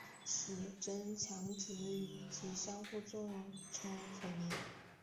使增强子与及的相互作用成为可能。